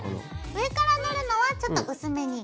上から塗るのはちょっと薄めに。